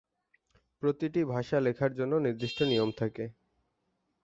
প্রতিটি ভাষা লেখার জন্য নির্দিষ্ট নিয়ম থাকে।